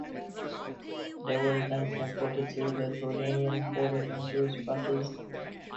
They were then transported to the Jordanian border in Jewish buses.